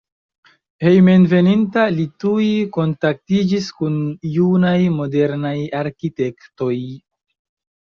Hejmenveninta li tuj kontaktiĝis kun junaj modernaj arkitektoj.